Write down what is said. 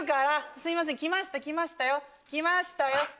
すいません来ました来ましたよ来ましたよ！